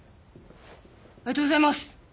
ありがとうございます。